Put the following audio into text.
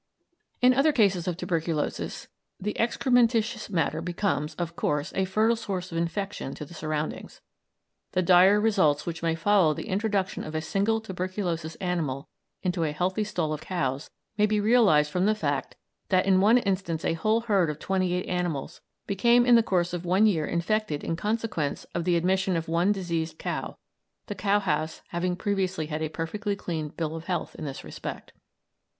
In other cases of tuberculosis the excrementitious matter becomes, of course, a fertile source of infection to the surroundings. The dire results which may follow the introduction of a single tuberculous animal into a healthy stall of cows may be realised from the fact that in one instance a whole herd of twenty eight animals became in the course of one year infected in consequence of the admission of one diseased cow, the cow house having previously had a perfectly clean bill of health in this respect.